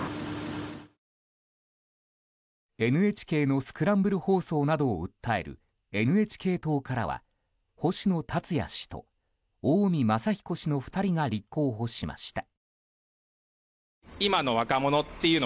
ＮＨＫのスクランブル放送などを訴えるＮＨＫ党からは星野達也氏と近江政彦氏の２人が立候補しました。